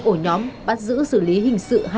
ổ nhóm bắt giữ xử lý hình sự